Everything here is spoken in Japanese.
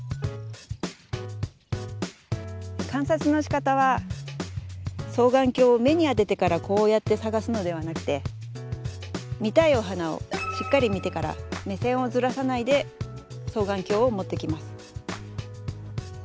観察のしかたは双眼鏡を目に当ててからこうやって探すのではなくて見たいお花をしっかり見てから目線をずらさないで双眼鏡を持ってきます。